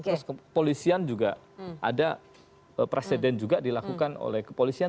terus kepolisian juga ada presiden juga dilakukan oleh kepolisian